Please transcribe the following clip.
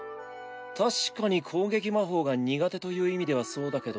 確かに攻撃魔法が苦手という意味ではそうだけど。